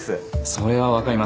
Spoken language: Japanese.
それはわかります